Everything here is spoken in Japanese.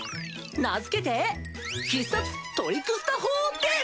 名付けて必殺トリクスタ砲です！